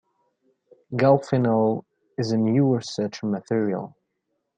Galfenol is a newer such material.